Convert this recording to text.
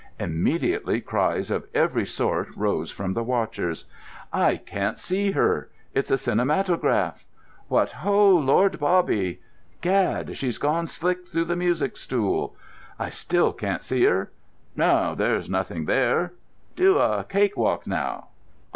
Immediately cries of every sort rose from the watchers. "I can't see her." "It's a cinematograph!" "What ho, Lord Bobby!" "Gad, she's gone slick through the music stool." "I still can't see her." "No, there's nothing there." "Do a cakewalk, now!"